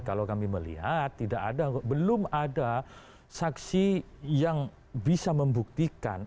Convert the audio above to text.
kalau kami melihat belum ada saksi yang bisa membuktikan